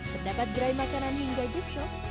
terdapat gerai makanan hingga joe shop